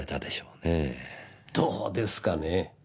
どうですかね。